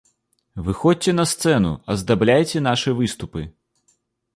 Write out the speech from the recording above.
Выходзьце на сцэну, аздабляйце нашы выступы.